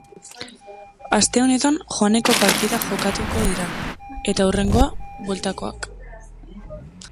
Aste honetan joaneko partidak jokatuko dira eta hurrengoa bueltakoak.